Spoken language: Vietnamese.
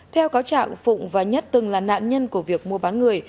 theo cáo trạng phụng và nhất từng là nạn nhân của việc mua bán người